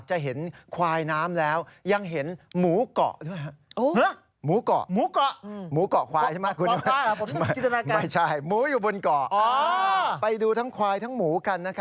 เหรอควายน้ำเขาไม่ว่ายค่ะ